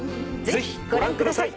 ぜひご覧ください。